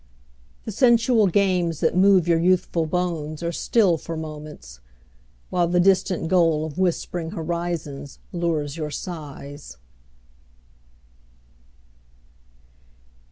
The sensual games that move your youthful bones Are still for moments, while the distant goal Of whispering horizons lures your sighs.